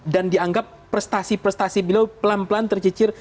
dan dianggap prestasi prestasi beliau pelan pelan tercicir